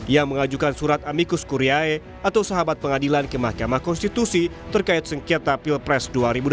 yang mengajukan surat amikus kuriae atau sahabat pengadilan ke mahkamah konstitusi terkait sengketa pilpres dua ribu dua puluh